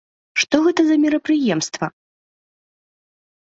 Што гэта за мерапрыемства?